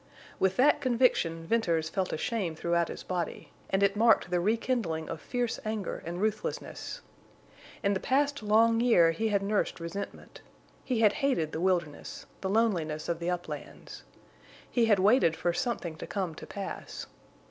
With that conviction Venters felt a shame throughout his body, and it marked the rekindling of fierce anger and ruthlessness. In the past long year he had nursed resentment. He had hated the wilderness—the loneliness of the uplands. He had waited for something to come to pass.